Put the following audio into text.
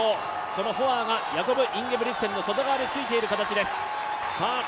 そのホアーがヤコブ・インゲブリクセンの外側についている形です。